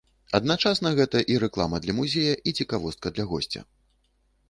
Адначасна гэта і рэклама для музея, і цікавостка для госця.